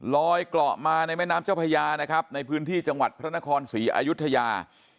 เกราะมาในแม่น้ำเจ้าพญานะครับในพื้นที่จังหวัดพระนครศรีอายุทยา